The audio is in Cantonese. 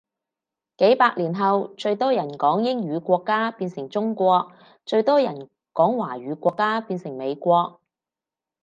幾百年後最人多講英語國家變成中國，最多人講華語國家變成美國